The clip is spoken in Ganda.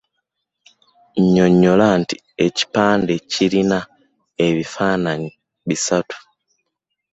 Nnyonnyola nti ekipande kirina ebifaanayi bisatu.